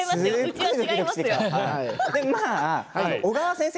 小川先生